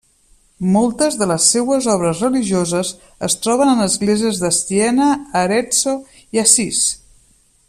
Moltes de les seues obres religioses es troben en esglésies de Siena, Arezzo, i Assís.